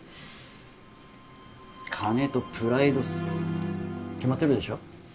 金とプライドっすよ決まってるでしょ